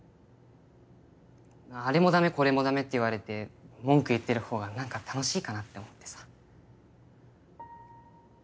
あれも駄目これも駄目って言われて文句言ってるほうがなんか楽しいかなって思ってさ。